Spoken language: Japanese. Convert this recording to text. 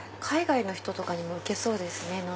海外の人とかにも受けそうですね